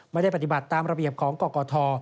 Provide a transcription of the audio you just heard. ไม่ได้ปฏิบัติตามระเบียบของกกท